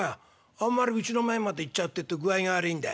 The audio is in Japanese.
あんまりうちの前まで行っちゃうってえと具合が悪いんだ。